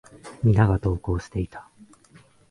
皆が登校していた。